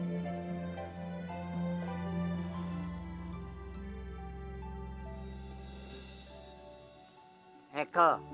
ekel ini hari kita kagak ke sawah